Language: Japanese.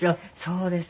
そうですね。